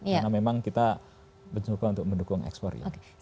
karena memang kita mencoba untuk mendukung ekspor